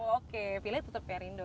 oke pilih tuan perindo